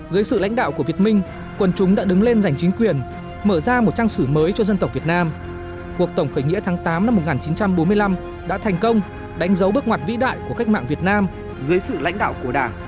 dưới sự lãnh đạo của việt minh quân chúng đã đứng lên giành chính quyền mở ra một trang sử mới cho dân tộc việt nam cuộc tổng khởi nghĩa tháng tám năm một nghìn chín trăm bốn mươi năm đã thành công đánh dấu bước ngoặt vĩ đại của cách mạng việt nam dưới sự lãnh đạo của đảng